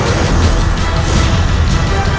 aku akan mencari dia